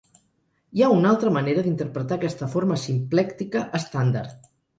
Hi ha una altra manera d'interpretar aquesta forma simplèctica estàndard.